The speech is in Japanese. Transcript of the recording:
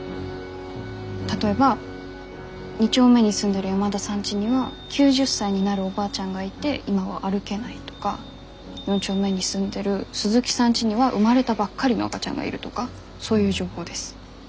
例えば２丁目に住んでる山田さんちには９０歳になるおばあちゃんがいて今は歩けないとか４丁目に住んでる鈴木さんちには生まれたばっかりの赤ちゃんがいるとかそういう情報です。